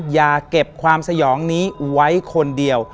อย่าเก็บความสยองนี้ไว้คนเดียว